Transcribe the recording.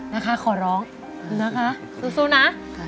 นะคะขอร้องนะคะสู้นะ